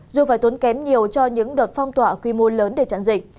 dù phải tốn kém nhiều cho những đợt phong tỏa quy mô lớn để trận dịch